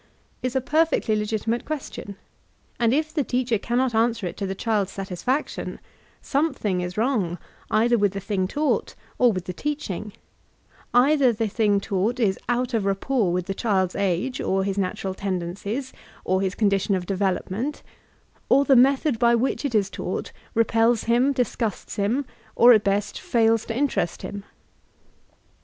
'' is a perfectly legitimate question ; and if the teacher cannot answer it to the child's satisfac* tion, something is wrong either with the thing taught, or with the teaching ; either the thing taught is out of rapport with the child's age, or his natural tendencies, or his condition of development; or the method by which it is tau|^t repels him, disgusts him, or at best fails to interest him.